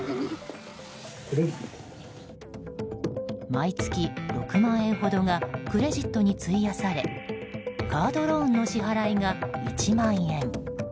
毎月６万円ほどがクレジットに費やされカードローンの支払いが１万円。